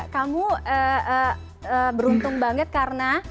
kamu beruntung banget karena